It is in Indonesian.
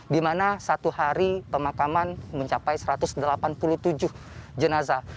di mana satu hari pemakaman mencapai satu ratus delapan puluh tujuh jenazah